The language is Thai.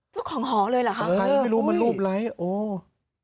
เจ้าของหอเลยเหรอครับมันรูปอะไรโออะ